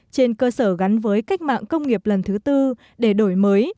trên cơ sở gắn với cách mạng công nghiệp lần thứ tư để đổi mới